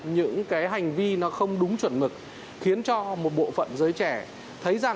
những cái hành vi nó không đúng chuẩn mực khiến cho một bộ phận giới trẻ